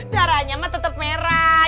darahnya mah tetep merah